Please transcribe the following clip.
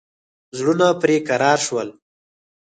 زړونه پر کراره شول.